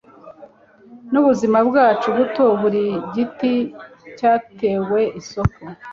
Nubuzima bwacu buto buri giti cyateweisoko